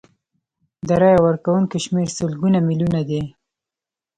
د رایې ورکوونکو شمیر سلګونه میلیونه دی.